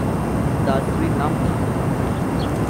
তার স্ত্রীর নাম কি?